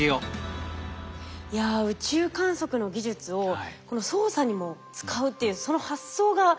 いや宇宙観測の技術をこの捜査にも使うっていうその発想がものすごい興味深いですね。